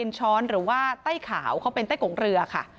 ช้อนหรือว่าไต้ขาวเขาเป็นไต้กงเรือค่ะ